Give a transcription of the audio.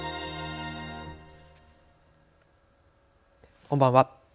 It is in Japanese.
こんばんは。